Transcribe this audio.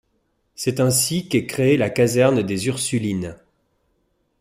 C'est ainsi qu'est créée la caserne des Ursulines.